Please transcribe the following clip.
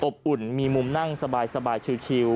อุ่นมีมุมนั่งสบายชิว